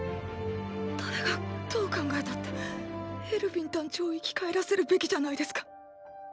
誰がどう考えたってエルヴィン団長を生き返らせるべきじゃないですか